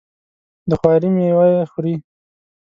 د خواري میوه یې خوري.